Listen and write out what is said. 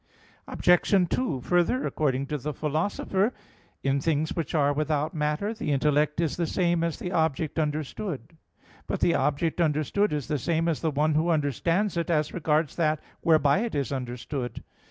Obj. 2: Further, according to the Philosopher (Metaph. xii, text. 51; De Anima iii, text. 15), "in things which are without matter, the intellect is the same as the object understood." But the object understood is the same as the one who understands it, as regards that whereby it is understood.